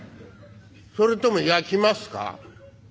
それとも焼きますか？」。